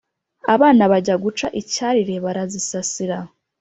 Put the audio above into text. abana Bajya guca icyarire barazisasira